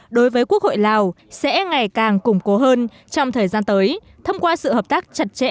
đối với quốc hội lào sẽ ngày càng củng cố hơn trong thời gian tới thông qua sự hợp tác chặt chẽ